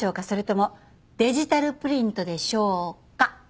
それともデジタルプリントでしょうか？